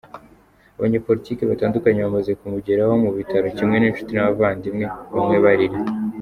Abanyepolitiki batandukanye bamaze kumugeraho mu bitaro, kimwe n’inshuti n’abavandimwe, bamwe barira.